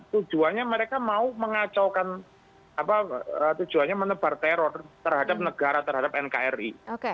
tujuannya mereka mau mengacaukan tujuannya menebar teror terhadap negara terhadap nkri